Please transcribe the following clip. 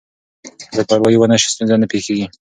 که بې پروايي ونه شي ستونزه نه پېښېږي.